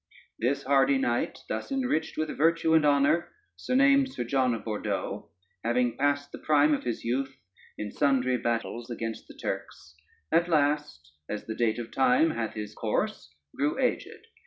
This hardy knight, thus enriched with virtue and honor, surnamed Sir John of Bordeaux, having passed the prime of his youth in sundry battles against the Turks, at last (as the date of time hath his course) grew aged.